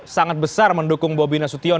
sangat besar mendukung bobi nasution